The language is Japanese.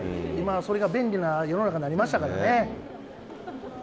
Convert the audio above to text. それが便利な世の中になりましたからね。